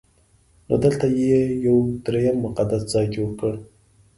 نو دلته یې یو درېیم مقدس ځای جوړ کړ.